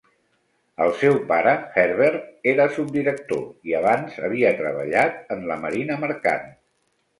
El seu pare Herbert era subdirector i abans havia treballat en la marina mercant.